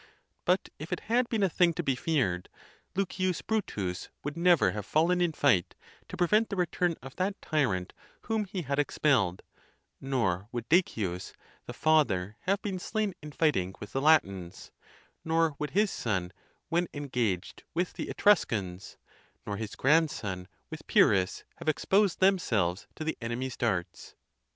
But if it had been a. thing to be feared, L. Brutus would never have fallen in fight, to prevent the return of that tyrant whom he had expelled; nor would Decius the father have been slain in fighting with the Latins; nor would his son, when engaged with the Etruscans, nor his grandson with Pyrrhus, have exposed themselves to the enemy's darts.